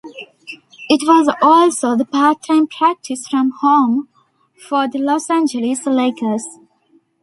It was also the part-time practice home for the Los Angeles Lakers.